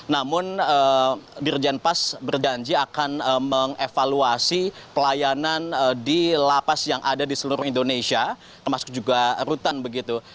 namun dirjen pas berjanji akan mengevaluasi pelayanan di lapas yang ada di seluruh indonesia termasuk juga rutan begitu